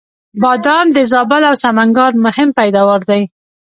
بادام د زابل او سمنګان مهم پیداوار دی